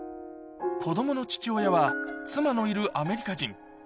子どもの父親は、妻のいるアメリカ人。